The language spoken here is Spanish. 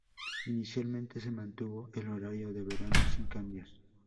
Inicialmente, se mantuvo el horario de verano sin cambios.